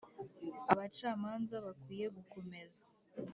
abacamanza bakwiye gukomeza